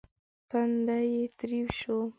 تندی يې تريو شو.